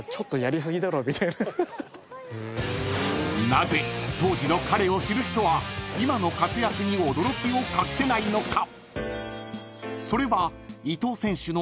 ［なぜ当時の彼を知る人は今の活躍に驚きを隠せないのか？］